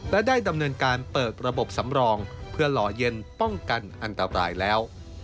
และได้ดำเนินการเปิดระบบสำรองเพื่อหล่อเย็นป้องกันอันตรายแล้ว